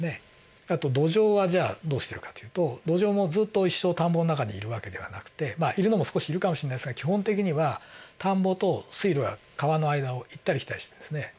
あとドジョウはじゃあどうしてるかというとドジョウもずっと一生田んぼの中にいる訳ではなくているのも少しいるかもしれないですが基本的には田んぼと水路や川の間を行ったり来たりしてるんですね。